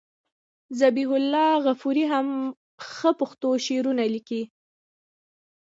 ذبیح الله غفوري هم ښه پښتو شعرونه لیکي.